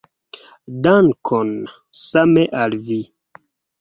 Dankon, same al vi!